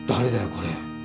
これ。